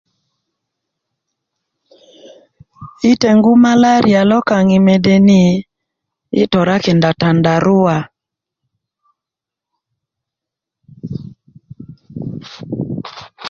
yi teŋgu malariya lokaaŋ yi mede niyi' torakinda tandaruwa